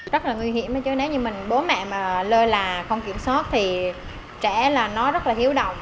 rất là nguy hiểm chứ nếu như mình bố mẹ mà lơi là không kiểm soát thì trẻ là nó rất là hiếu động